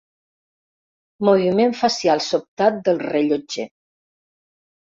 Moviment facial sobtat del rellotger.